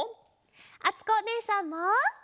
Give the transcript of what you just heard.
あつこおねえさんも！